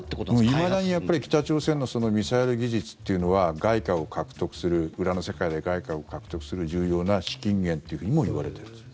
いまだに、やっぱり北朝鮮のミサイル技術というのは外貨を獲得する裏の世界で外貨を獲得する重要な資金源っていうふうにも言われているんです。